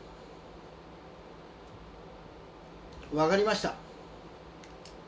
分かりました。